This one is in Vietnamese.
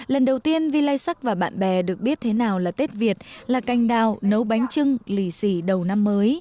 lần đầu tiên vì lai sắc và bạn bè được biết thế nào là tết việt là canh đào nấu bánh chưng lì xì đầu năm